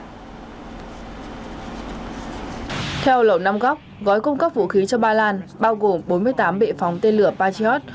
theo lầu năm góc gói cung cấp vũ khí cho ba lan bao gồm bốn mươi tám bệ phóng tên lửa patriot